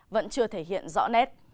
vẫn chưa thể hiện rõ nét